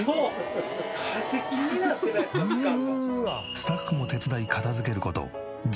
スタッフも手伝い片付ける事１０時間。